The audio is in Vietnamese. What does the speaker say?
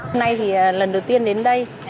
hôm nay thì lần đầu tiên đến đây